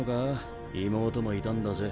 妹もいたんだぜ？